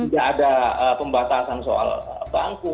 tidak ada pembatasan soal bangku